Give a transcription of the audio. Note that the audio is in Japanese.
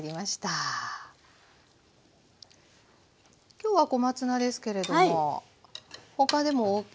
今日は小松菜ですけれども他でもいいんですか？